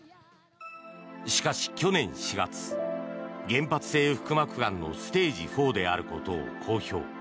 しかし、去年４月原発性腹膜がんのステージ４であることを公表。